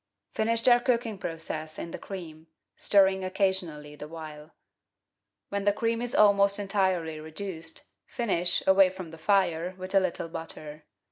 Finish their cooking process in the cream, stirring occasion ally the while. When the cream is almost entirely reduced, finish, away from the fire, with a little butter.